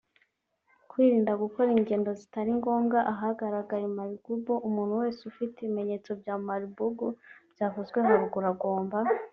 Kwirinda gukora ingendo zitari ngombwa ahagaragaye Marburg; Umuntu wese ufite ibimenyetso bya Marburg byavuzwe haruguru agomba